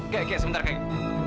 keh sebentar kakek